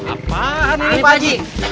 apaan ini pak haji